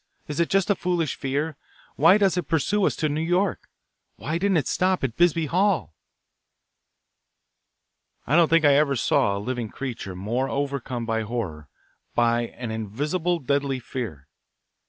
Is it just a foolish fear? Why does it pursue us to New York? Why didn't it stop at Bisbee Hall?" I don't think I ever saw a living creature more overcome by horror, by an invisible, deadly fear.